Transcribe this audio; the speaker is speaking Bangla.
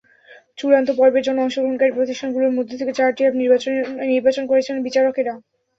চূড়ান্ত পর্বের জন্য অংশগ্রহণকারী প্রতিষ্ঠানগুলোর মধ্য থেকে চারটি অ্যাপ নির্বাচন করেছিলেন বিচারকেরা।